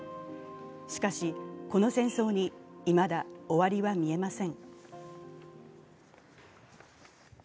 しかし、この戦争にいまだ終わりは見えません。